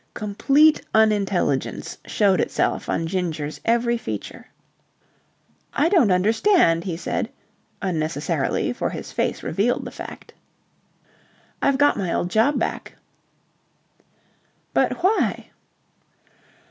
Complete unintelligence showed itself on Ginger's every feature. "I don't understand," he said unnecessarily, for his face revealed the fact. "I've got my old job back." "But why?"